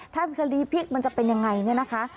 ถ้าคดีพลิกมันจะเป็นยังไงเนี่ยนะคะ